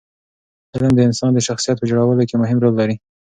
علم د انسان د شخصیت په جوړولو کې مهم رول لري.